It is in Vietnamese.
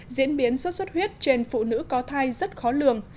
diễn biến xuất xuất huyết trên phụ nữ có thai rất khó lường